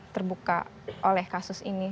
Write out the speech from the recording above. terbuka oleh kasus ini